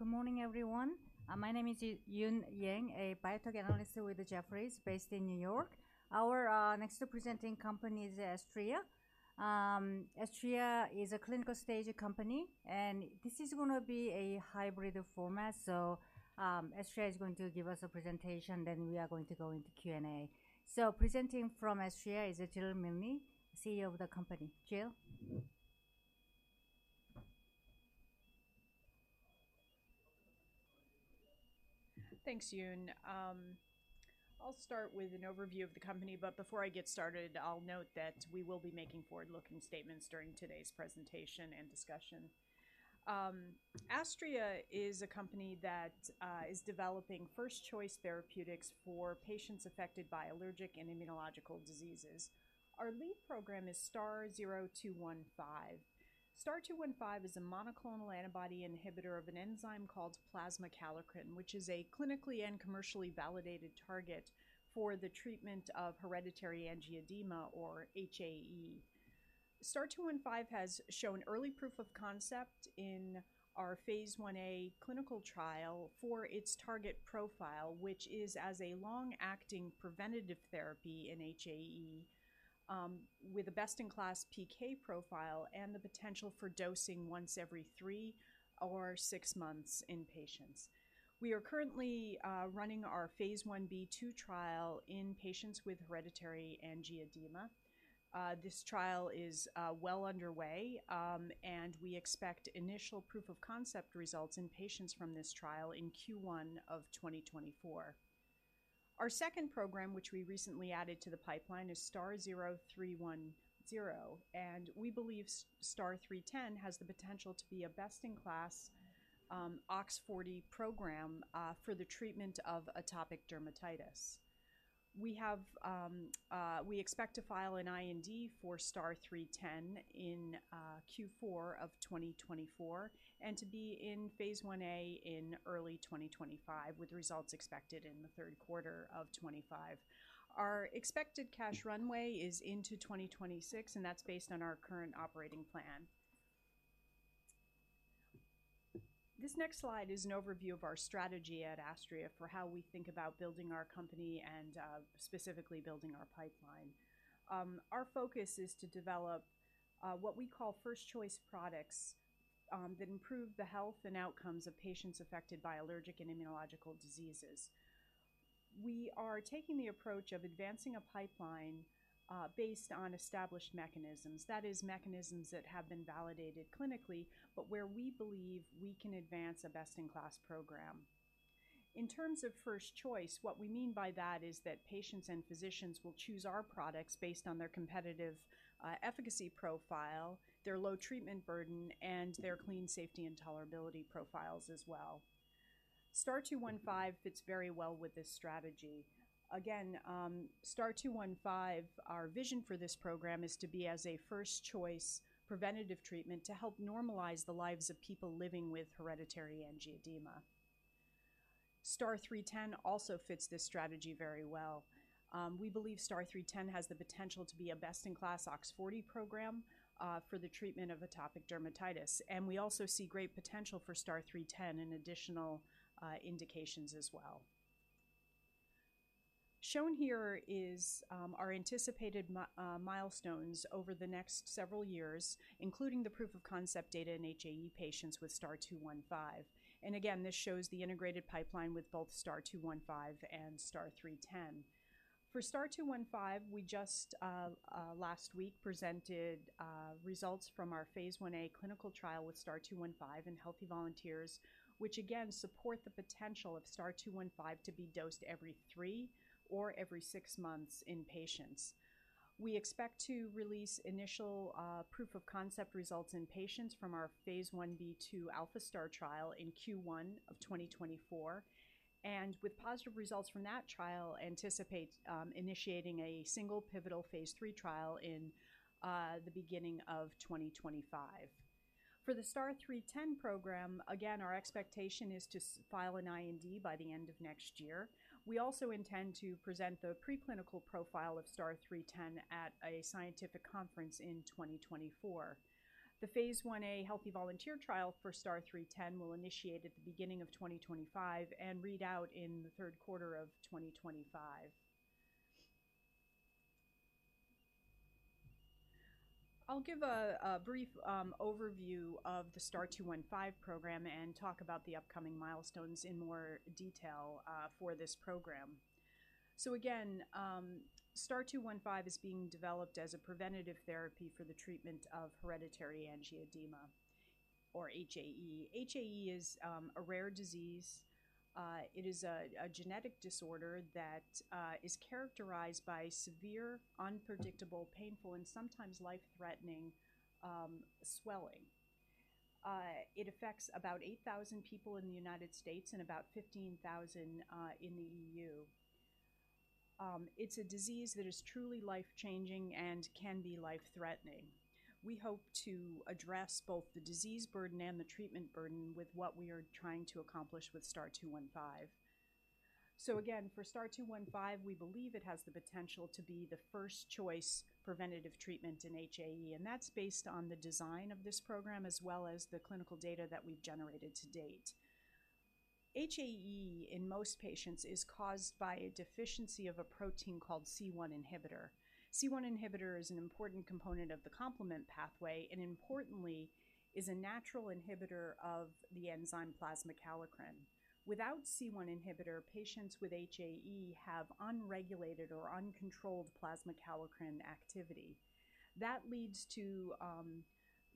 Good morning, everyone. My name is Eun Yang, a biotech analyst with Jefferies, based in New York. Our next presenting company is Astria. Astria is a clinical stage company, and this is gonna be a hybrid format. Astria is going to give us a presentation, then we are going to go into Q&A. Presenting from Astria is Jill Milne, CEO of the company. Jill? Thanks, Eun. I'll start with an overview of the company, but before I get started, I'll note that we will be making forward-looking statements during today's presentation and discussion. Astria is a company that is developing first-choice therapeutics for patients affected by allergic and immunological diseases. Our lead program is STAR-0215. STAR-0215 is a monoclonal antibody inhibitor of an enzyme called plasma kallikrein, which is a clinically and commercially validated target for the treatment of hereditary angioedema or HAE. STAR-0215 has shown early proof of concept in our phase Ia clinical trial for its target profile, which is as a long-acting preventive therapy in HAE, with a best-in-class PK profile and the potential for dosing once every three or six months in patients. We are currently running our phase Ib/II trial in patients with hereditary angioedema. This trial is well underway, and we expect initial proof-of-concept results in patients from this trial in Q1 of 2024. Our second program, which we recently added to the pipeline, is STAR-0310, and we believe STAR-0310 has the potential to be a best-in-class OX40 program for the treatment of atopic dermatitis. We expect to file an IND for STAR-0310 in Q4 of 2024, and to be in phase Ia in early 2025, with results expected in the third quarter of 2025. Our expected cash runway is into 2026, and that's based on our current operating plan. This next slide is an overview of our strategy at Astria for how we think about building our company and specifically building our pipeline. Our focus is to develop what we call first choice products that improve the health and outcomes of patients affected by allergic and immunological diseases. We are taking the approach of advancing a pipeline based on established mechanisms. That is, mechanisms that have been validated clinically, but where we believe we can advance a best-in-class program. In terms of first choice, what we mean by that is that patients and physicians will choose our products based on their competitive efficacy profile, their low treatment burden, and their clean safety and tolerability profiles as well. STAR-0215 fits very well with this strategy. Again, STAR-0215, our vision for this program is to be as a first-choice preventative treatment to help normalize the lives of people living with hereditary angioedema. STAR-0310 also fits this strategy very well. We believe STAR-0310 has the potential to be a best-in-class OX40 program for the treatment of atopic dermatitis, and we also see great potential for STAR-0310 in additional indications as well. Shown here is our anticipated milestones over the next several years, including the proof-of-concept data in HAE patients with STAR-0215. Again, this shows the integrated pipeline with both STAR-0215 and STAR-0310. For STAR-0215, we just last week presented results from our phase Ia clinical trial with STAR-0215 in healthy volunteers, which again support the potential of STAR-0215 to be dosed every three or every six months in patients. We expect to release initial proof-of-concept results in patients from our phase Ib/II ALPHA-STAR trial in Q1 of 2024, and with positive results from that trial, anticipate initiating a single pivotal phase III trial in the beginning of 2025. For the STAR-0310 program, again, our expectation is to file an IND by the end of next year. We also intend to present the preclinical profile of STAR-0310 at a scientific conference in 2024. The phase Ia healthy volunteer trial for STAR-0310 will initiate at the beginning of 2025 and read out in the third quarter of 2025. I'll give a brief overview of the STAR-0215 program and talk about the upcoming milestones in more detail for this program. So again, STAR-0215 is being developed as a preventative therapy for the treatment of hereditary angioedema or HAE. HAE is a rare disease. It is a genetic disorder that is characterized by severe, unpredictable, painful, and sometimes life-threatening swelling. It affects about 8,000 people in the United States and about 15,000 in the EU. It's a disease that is truly life-changing and can be life-threatening. We hope to address both the disease burden and the treatment burden with what we are trying to accomplish with STAR-0215. So again, for STAR-0215, we believe it has the potential to be the first-choice preventative treatment in HAE, and that's based on the design of this program, as well as the clinical data that we've generated to date. HAE, in most patients, is caused by a deficiency of a protein called C1-inhibitor. C1-inhibitor is an important component of the complement pathway, and importantly, is a natural inhibitor of the enzyme plasma kallikrein. Without C1-inhibitor, patients with HAE have unregulated or uncontrolled plasma kallikrein activity. That leads to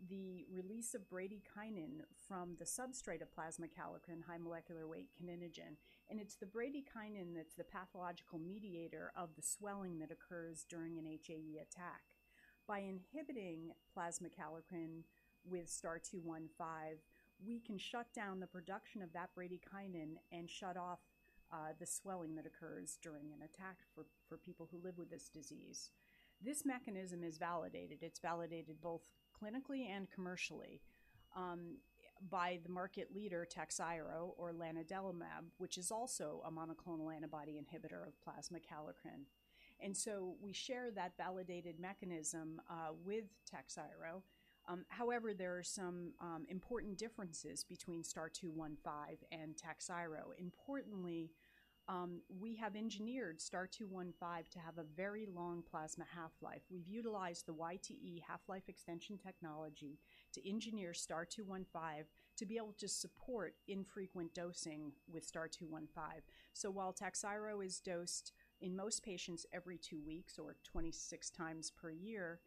the release of bradykinin from the substrate of plasma kallikrein, high molecular weight kininogen, and it's the bradykinin that's the pathological mediator of the swelling that occurs during an HAE attack. By inhibiting plasma kallikrein with STAR-0215, we can shut down the production of that bradykinin and shut off the swelling that occurs during an attack for people who live with this disease. This mechanism is validated. It's validated both clinically and commercially by the market leader, Takhzyro or lanadelumab, which is also a monoclonal antibody inhibitor of plasma kallikrein. And so we share that validated mechanism with Takhzyro. However, there are some important differences between STAR-0215 and Takhzyro. Importantly, we have engineered STAR-0215 to have a very long plasma half-life. We've utilized the YTE half-life extension technology to engineer STAR-0215 to be able to support infrequent dosing with STAR-0215. So while Takhzyro is dosed in most patients every two weeks or 26x per year,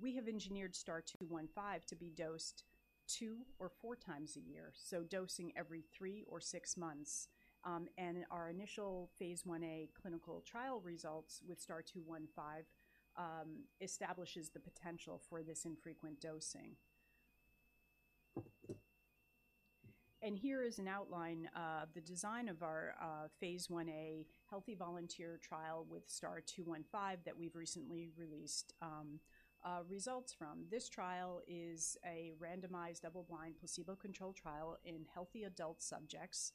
we have engineered STAR-0215 to be dosed 2x or 4x a year, so dosing every three or six months. Our initial phase Ia clinical trial results with STAR-0215 establishes the potential for this infrequent dosing. Here is an outline of the design of our phase Ia healthy volunteer trial with STAR-0215 that we've recently released results from. This trial is a randomized, double-blind, placebo-controlled trial in healthy adult subjects.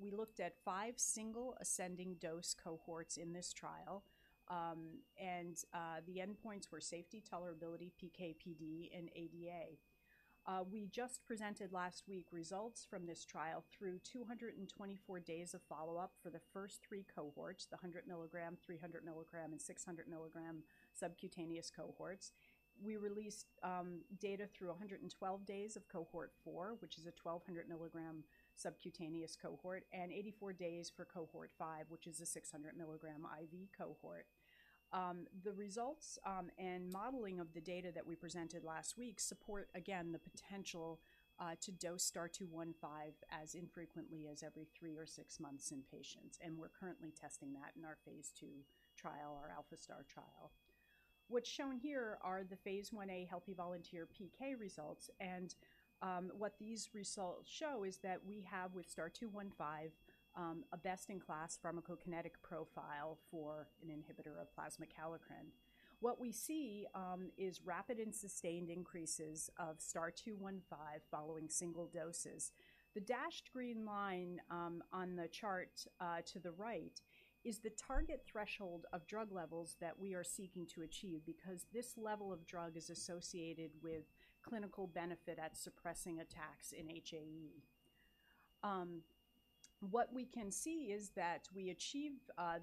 We looked at five single ascending dose cohorts in this trial. The endpoints were safety, tolerability, PK/PD, and ADA. We just presented last week results from this trial through 224 days of follow-up for the first three cohorts, the 100 mg, 300 mg, and 600 mg subcutaneous cohorts. We released data through 112 days of Cohort 4, which is a 1,200 mg subcutaneous cohort, and 84 days for Cohort 5, which is a 600 mg IV cohort. The results and modeling of the data that we presented last week support, again, the potential to dose STAR-0215 as infrequently as every three or six months in patients, and we're currently testing that in our phase II trial, our ALPHA-STAR trial. What's shown here are the phase Ia healthy volunteer PK results, and what these results show is that we have, with STAR-0215, a best-in-class pharmacokinetic profile for an inhibitor of plasma kallikrein. What we see is rapid and sustained increases of STAR-0215 following single doses. The dashed green line on the chart to the right is the target threshold of drug levels that we are seeking to achieve, because this level of drug is associated with clinical benefit at suppressing attacks in HAE. What we can see is that we achieve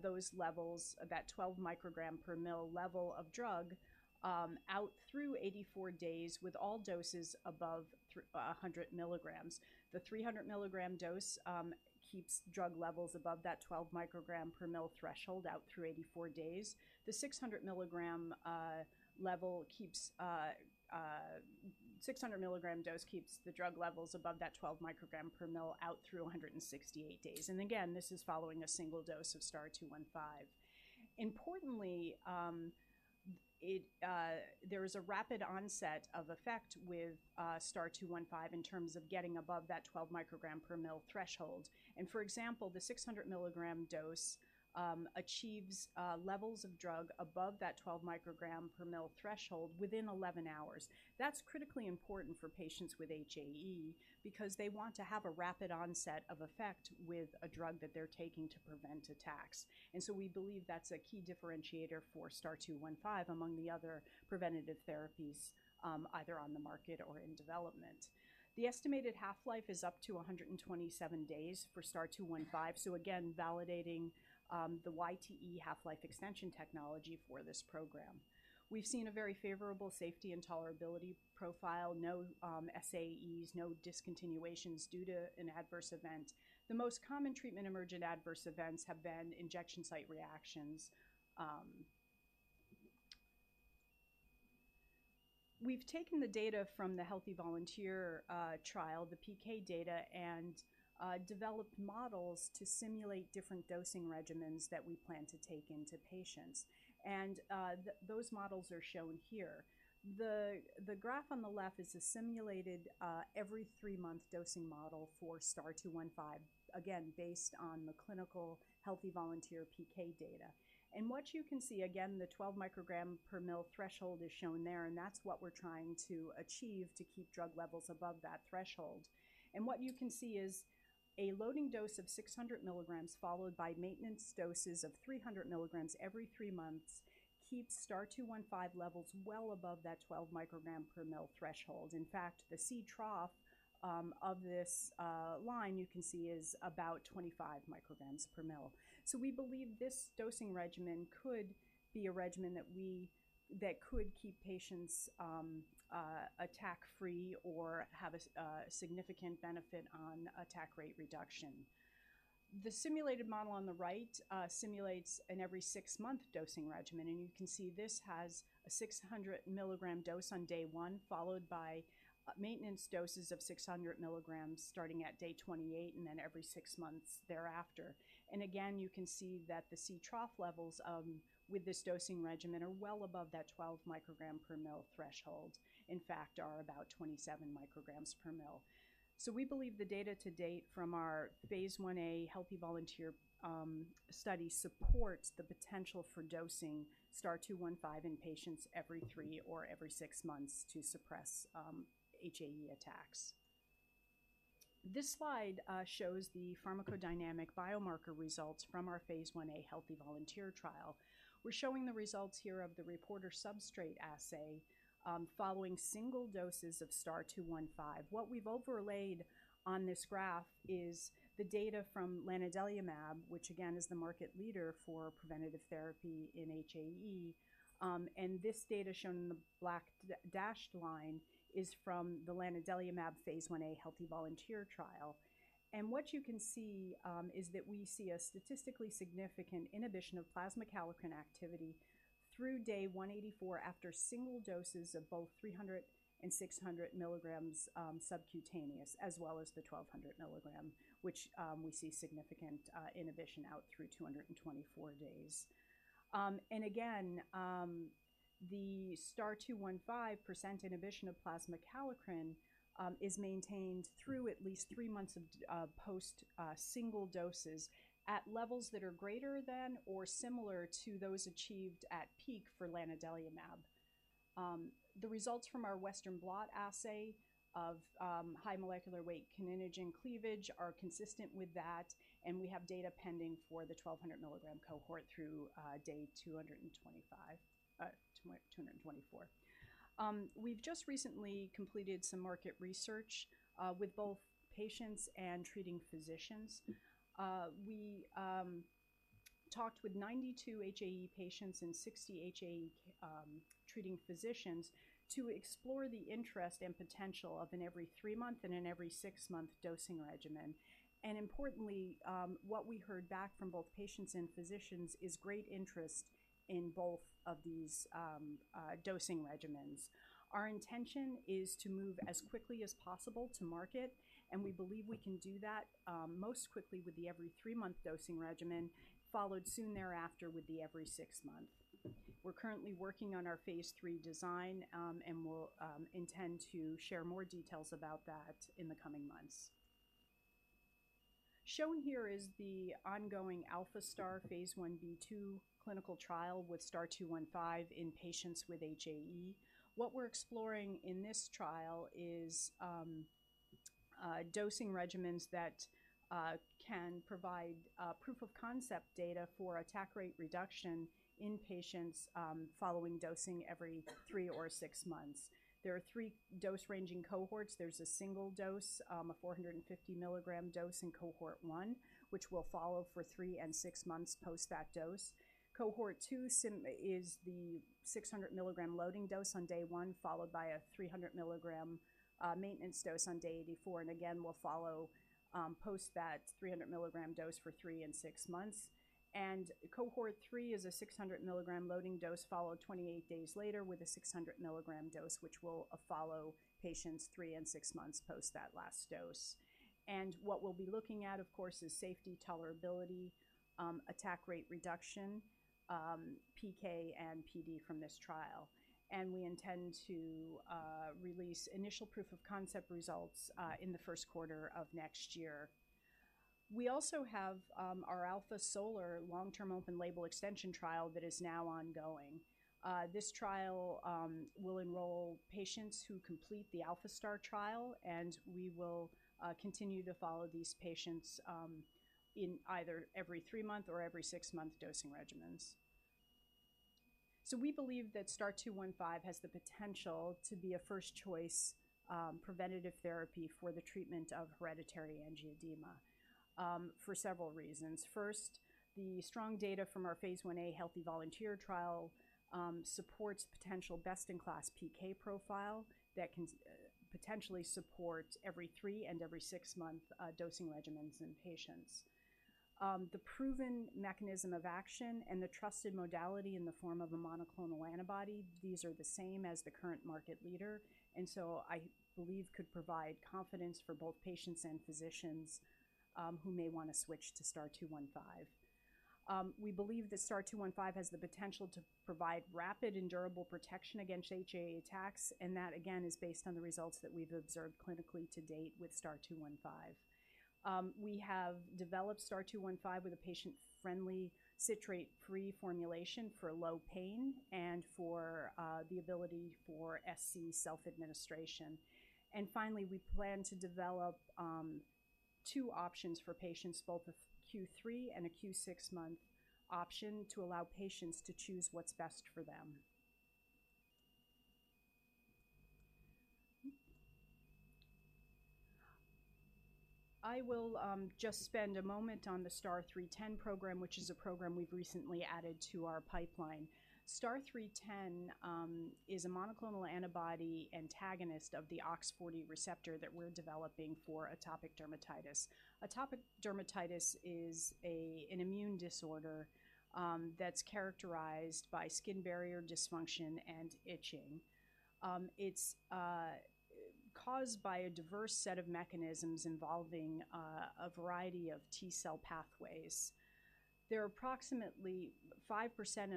those levels, about 12 micrograms per mL level of drug, out through 84 days, with all doses above a 100 mg. The 300 mg dose keeps drug levels above that 12 micrograms per mL threshold out through 84 days. The 600 mg level keeps... 600 mg dose keeps the drug levels above that 12 μg/mL out through 168 days. Again, this is following a single dose of STAR-0215. Importantly, there is a rapid onset of effect with STAR-0215 in terms of getting above that 12 μg/mL threshold. For example, the 600 mg dose achieves levels of drug above that 12 μg/mL threshold within 11 hours. That's critically important for patients with HAE because they want to have a rapid onset of effect with a drug that they're taking to prevent attacks. So we believe that's a key differentiator for STAR-0215 among the other preventative therapies either on the market or in development. The estimated half-life is up to 127 days for STAR-0215, so again, validating, the YTE half-life extension technology for this program. We've seen a very favorable safety and tolerability profile, no, SAEs, no discontinuations due to an adverse event. The most common treatment-emergent adverse events have been injection site reactions. We've taken the data from the healthy volunteer trial, the PK data, and developed models to simulate different dosing regimens that we plan to take into patients, and those models are shown here. The graph on the left is a simulated every three-month dosing model for STAR-0215, again, based on the clinical healthy volunteer PK data. And what you can see, again, the 12 μg/mL threshold is shown there, and that's what we're trying to achieve to keep drug levels above that threshold. What you can see is a loading dose of 600 mg, followed by maintenance doses of 300 mg every three months, keeps STAR-0215 levels well above that 12 μg/mL threshold. In fact, the Ctrough of this line you can see is about 25 μg/mL. So we believe this dosing regimen could be a regimen that could keep patients attack-free or have a significant benefit on attack rate reduction. The simulated model on the right simulates an every six-month dosing regimen, and you can see this has a 600 mg dose on day one, followed by maintenance doses of 600 mg starting at day 28 and then every six months thereafter. And again, you can see that the Ctrough levels with this dosing regimen are well above that 12 μg/mL threshold, in fact, are about 27 μg/mL. So we believe the data to date from our phase Ia healthy volunteer study supports the potential for dosing STAR-0215 in patients every three or every six months to suppress HAE attacks. This slide shows the pharmacodynamic biomarker results from our phase Ia healthy volunteer trial. We're showing the results here of the reporter substrate assay following single doses of STAR-0215. What we've overlaid on this graph is the data from lanadelumab, which again, is the market leader for preventative therapy in HAE. This data shown in the black dashed line is from the lanadelumab phase Ia healthy volunteer trial. And what you can see is that we see a statistically significant inhibition of plasma kallikrein activity through day 184 after single doses of both 300 and 600 mg subcutaneous, as well as the 1200 mg, which we see significant inhibition out through 224 days. And again, the STAR-0215 percent inhibition of plasma kallikrein is maintained through at least three months post single doses at levels that are greater than or similar to those achieved at peak for lanadelumab. The results from our Western blot assay of high molecular weight kininogen cleavage are consistent with that, and we have data pending for the 1200 mg cohort through day 224. We've just recently completed some market research with both patients and treating physicians. We talked with 92 HAE patients and 60 HAE treating physicians to explore the interest and potential of an every three-month and an every six-month dosing regimen. Importantly, what we heard back from both patients and physicians is great interest in both of these dosing regimens. Our intention is to move as quickly as possible to market, and we believe we can do that most quickly with the every three-month dosing regimen, followed soon thereafter with the every six-month. We're currently working on our phase III design, and we'll intend to share more details about that in the coming months. Shown here is the ongoing ALPHA-STAR phase Ib/II clinical trial with STAR-0215 in patients with HAE. What we're exploring in this trial is dosing regimens that can provide proof-of-concept data for attack rate reduction in patients following dosing every three or six months. There are three dose-ranging cohorts. There's a single dose, a 450 mg dose in Cohort 1, which we'll follow for three and six months post that dose. Cohort 2 is the 600 mg loading dose on day one, followed by a 300 mg maintenance dose on day 84, and again, we'll follow post that 300 mg dose for three and six months. Cohort 3 is a 600 mg loading dose, followed 28 days later with a 600 mg dose, which we'll follow patients three and six months post that last dose. What we'll be looking at, of course, is safety, tolerability, attack rate reduction, PK and PD from this trial. We intend to release initial proof-of-concept results in the first quarter of next year. We also have our ALPHA-SOLAR long-term open label extension trial that is now ongoing. This trial will enroll patients who complete the ALPHA-STAR trial, and we will continue to follow these patients in either every three-month or every six-month dosing regimens. So we believe that STAR-0215 has the potential to be a first-choice preventative therapy for the treatment of hereditary angioedema for several reasons. First, the strong data from our phase Ia healthy volunteer trial supports potential best-in-class PK profile that can potentially support every three and every six-month dosing regimens in patients. The proven mechanism of action and the trusted modality in the form of a monoclonal antibody, these are the same as the current market leader, and so I believe could provide confidence for both patients and physicians, who may want to switch to STAR-0215. We believe that STAR-0215 has the potential to provide rapid and durable protection against HAE attacks, and that, again, is based on the results that we've observed clinically to date with STAR-0215. We have developed STAR-0215 with a patient-friendly citrate-free formulation for low pain and for the ability for SC self-administration. And finally, we plan to develop two options for patients, both a Q3 and a Q6-month option, to allow patients to choose what's best for them. I will just spend a moment on the STAR-0310 program, which is a program we've recently added to our pipeline. STAR-0310 is a monoclonal antibody antagonist of the OX40 receptor that we're developing for atopic dermatitis. Atopic dermatitis is an immune disorder that's characterized by skin barrier dysfunction and itching. It's caused by a diverse set of mechanisms involving a variety of T cell pathways. There are approximately 5%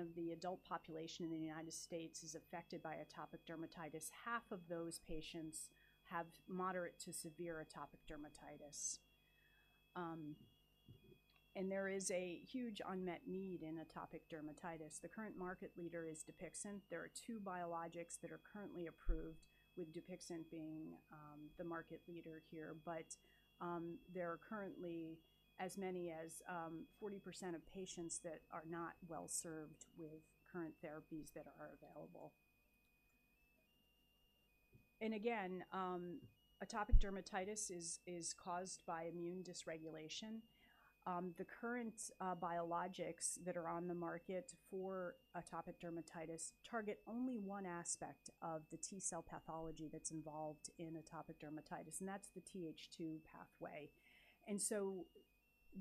of the adult population in the United States is affected by atopic dermatitis. Half of those patients have moderate to severe atopic dermatitis. And there is a huge unmet need in atopic dermatitis. The current market leader is Dupixent. There are two biologics that are currently approved, with Dupixent being the market leader here. But there are currently as many as 40% of patients that are not well served with current therapies that are available. And again, atopic dermatitis is caused by immune dysregulation. The current biologics that are on the market for atopic dermatitis target only one aspect of the T cell pathology that's involved in atopic dermatitis, and that's the Th2 pathway. And so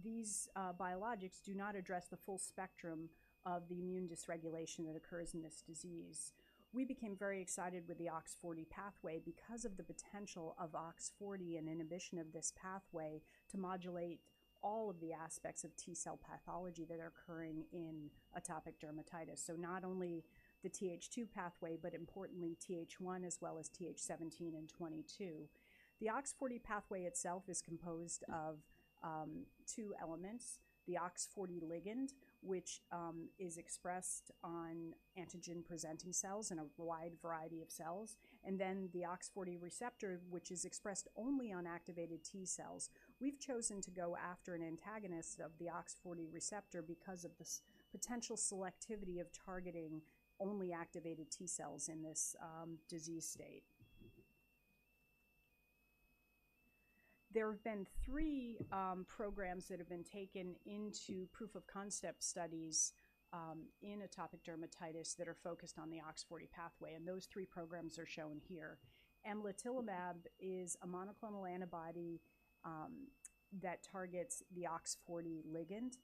these biologics do not address the full spectrum of the immune dysregulation that occurs in this disease. We became very excited with the OX40 pathway because of the potential of OX40 and inhibition of this pathway to modulate all of the aspects of T cell pathology that are occurring in atopic dermatitis. So not only the Th2 pathway, but importantly Th1, as well as Th17 and 22. The OX40 pathway itself is composed of two elements: the OX40 ligand, which is expressed on antigen-presenting cells in a wide variety of cells, and then the OX40 receptor, which is expressed only on activated T cells. We've chosen to go after an antagonist of the OX40 receptor because of the potential selectivity of targeting only activated T cells in this disease state. There have been three programs that have been taken into proof-of-concept studies in atopic dermatitis that are focused on the OX40 pathway, and those three programs are shown here. Amlitelimab is a monoclonal antibody that targets the OX40 ligand.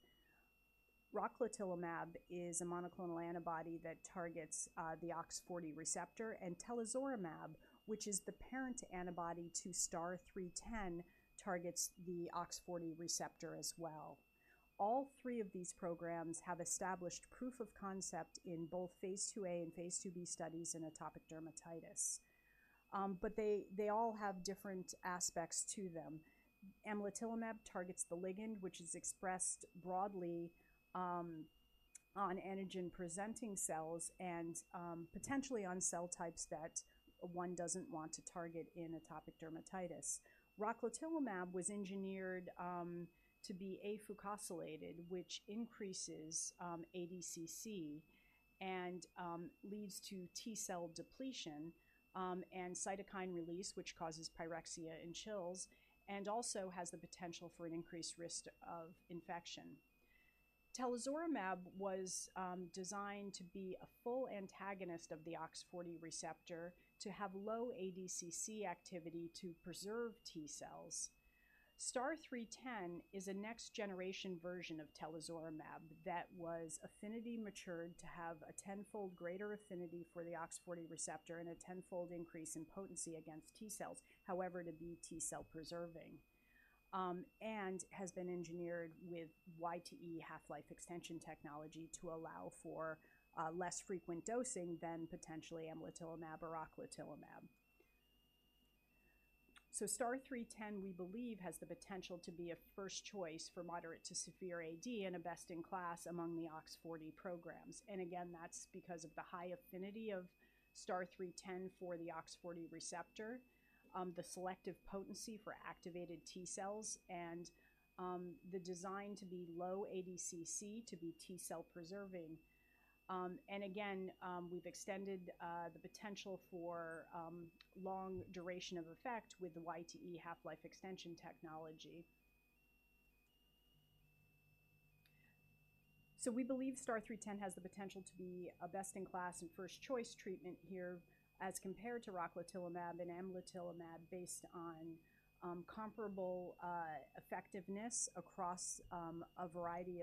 Rocatinlimab is a monoclonal antibody that targets the OX40 receptor, and telazorlimab, which is the parent antibody to STAR-0310, targets the OX40 receptor as well. All three of these programs have established proof of concept in both phase IIa and phase IIb studies in atopic dermatitis. But they all have different aspects to them. Amlitelimab targets the ligand, which is expressed broadly on antigen-presenting cells and potentially on cell types that one doesn't want to target in atopic dermatitis. Rocatinlimab was engineered to be afucosylated, which increases ADCC and leads to T cell depletion and cytokine release, which causes pyrexia and chills, and also has the potential for an increased risk of infection. Telazorlimab was designed to be a full antagonist of the OX40 receptor to have low ADCC activity to preserve T cells. STAR-0310 is a next-generation version of telazorlimab that was affinity matured to have a tenfold greater affinity for the OX40 receptor and a 10x increase in potency against T cells, however, to be T cell preserving. And has been engineered with YTE half-life extension technology to allow for less frequent dosing than potentially amlitelimab or rocatinlimab. So STAR-0310, we believe, has the potential to be a first choice for moderate to severe AD and a best-in-class among the OX40 programs. Again, that's because of the high affinity of STAR-0310 for the OX40 receptor, the selective potency for activated T cells, and the design to be low ADCC to be T cell preserving. Again, we've extended the potential for long duration of effect with the YTE half-life extension technology. So we believe STAR-0310 has the potential to be a best-in-class and first choice treatment here as compared to rocatinlimab and amlitelimab, based on comparable effectiveness across a variety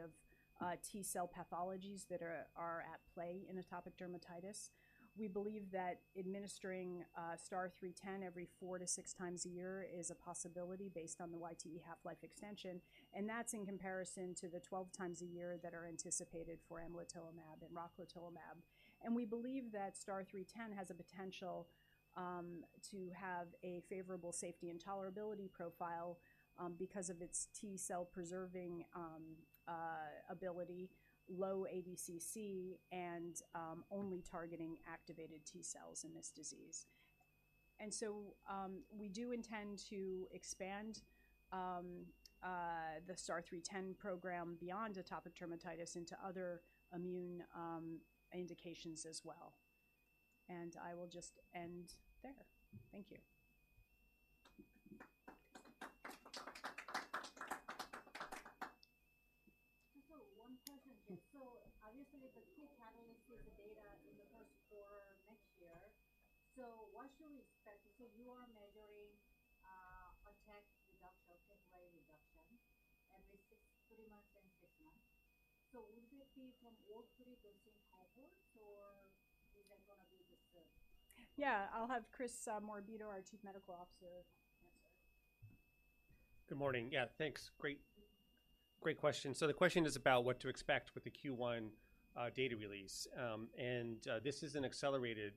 of T cell pathologies that are at play in atopic dermatitis. We believe that administering STAR-0310 every 4x to 6x a year is a possibility based on the YTE half-life extension, and that's in comparison to the 12x a year that are anticipated for amlitelimab and rocatinlimab. We believe that STAR-0310 has a potential to have a favorable safety and tolerability profile because of its T-cell preserving ability, low ADCC, and only targeting activated T cells in this disease. So, we do intend to expand the STAR-0310 program beyond atopic dermatitis into other immune indications as well. I will just end there. Thank you. One question here. Obviously, the two panelists see the data in the first quarter next year. What should we expect? You are measuring attack reduction, okay, reduction every three months and six months. Would it be from all three cohorts, or is that gonna be just the- Yeah, I'll have Chris Morabito, our Chief Medical Officer, answer. Good morning. Yeah, thanks. Great, great question. So the question is about what to expect with the Q1 data release. And this is an accelerated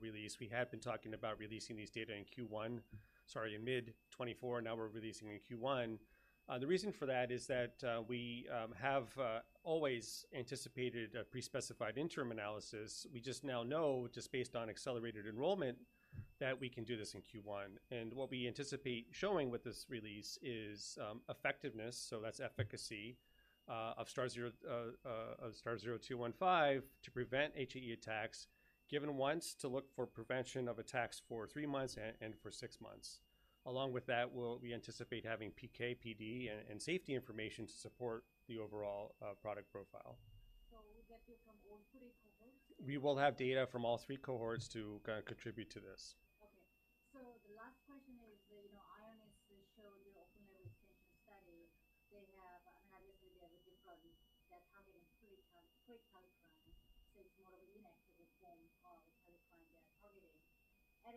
release. We have been talking about releasing these data in Q1, sorry, in mid-2024, now we're releasing in Q1. The reason for that is that we have always anticipated a pre-specified interim analysis. We just now know, just based on accelerated enrollment, that we can do this in Q1. And what we anticipate showing with this release is effectiveness, so that's efficacy of STAR zero of STAR-0215, to prevent HAE attacks, given once to look for prevention of attacks for three months and for six months. Along with that, we'll anticipate having PK/PD and safety information to support the overall product profile. We get it from all three cohorts? We will have data from all three cohorts to kinda contribute to this.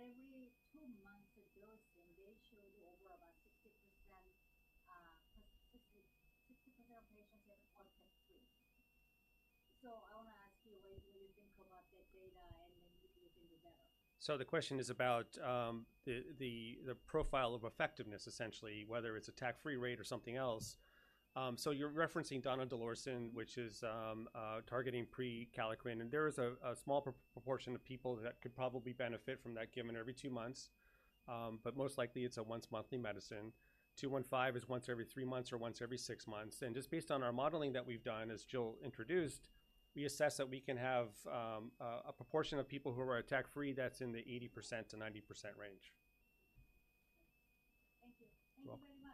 Okay. So the last question is, you know, Ionis showed you open-label extension study. They have, and obviously, they have a different, they're targeting prekallikrein, since more upstream to the same kallikrein they are targeting. And every two months of dosing, they showed you over about 60%, 60, 60% of patients have attack free. So I want to ask you, what do you think about that data and then if you think we're better? So the question is about the profile of effectiveness, essentially, whether it's attack-free rate or something else. So you're referencing donidalorsen, which is targeting prekallikrein, and there is a small proportion of people that could probably benefit from that, given every 2 months. But most likely it's a once monthly medicine. 0215 is once every three months or once every six months. And just based on our modeling that we've done, as Jill introduced, we assess that we can have a proportion of people who are attack-free that's in the 80%-90% range. Thank you. You're welcome.